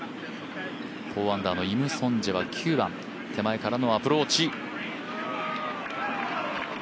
４アンダーのイム・ソンジェは９番手前からのアプローチ。